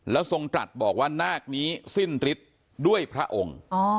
แล้วทรงตรัสบอกว่านาคนี้สิ้นฤทธิ์ด้วยพระองค์